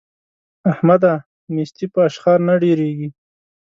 احمده! نېستي په اشخار نه ډېرېږي.